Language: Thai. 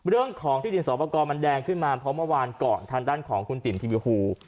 เรื่องของที่ดินสอบประกอบมันแดงขึ้นมาเพราะเมื่อวานก่อนทางด้านของคุณติ๋มทีวีภู